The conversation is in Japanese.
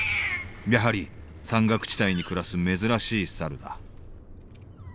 やはり山岳地帯に暮らす珍しいサルだ。